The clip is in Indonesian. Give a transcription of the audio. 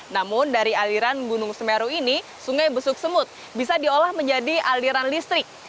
namun dari aliran gunung semeru ini sungai besuk semut bisa diolah menjadi aliran listrik